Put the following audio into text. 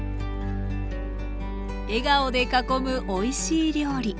笑顔で囲むおいしい料理。